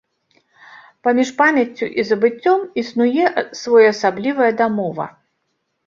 Паміж памяццю і забыццём існуе своеасаблівая дамова.